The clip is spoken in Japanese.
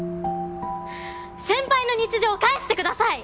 先輩の日常を返してください！